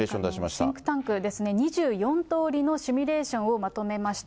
シンクタンクですね、２４とおりのシミュレーションをまとめました。